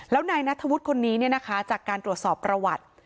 แล้วนายนัทธวุฒิคนนี้จากการตรวจสอบประวัติ